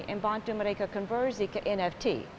dan membantu mereka berkonversi ke nft